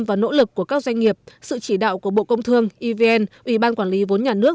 và nỗ lực của các doanh nghiệp sự chỉ đạo của bộ công thương evn ủy ban quản lý vốn nhà nước